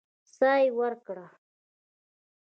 سا يې ورکړه.